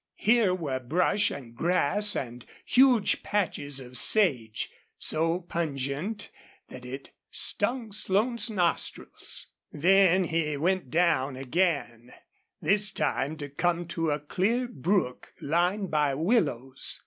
Here were brush and grass and huge patches of sage, so pungent that it stung Slone's nostrils. Then he went down again, this time to come to a clear brook lined by willows.